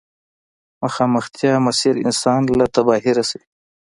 مخامختيا مسير انسان له تباهي رسوي.